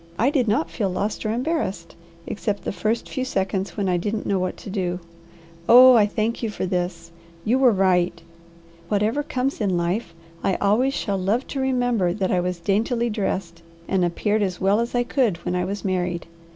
I did not feel lost or embarrassed, except the first few seconds when I didn't know what to do. Oh I thank you for this! You were right. Whatever comes in life I always shall love to remember that I was daintily dressed and appeared as well as I could when I was married.